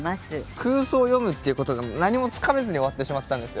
空想を詠むっていうことが何もつかめずに終わってしまったんですよ。